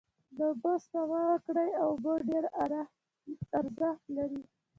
داوبوسپما وکړی او اوبه ډیر ارښت لری